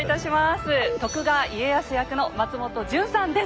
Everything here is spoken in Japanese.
徳川家康役の松本潤さんです。